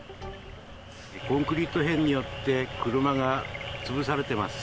コンクリート片によって、車が潰されてます。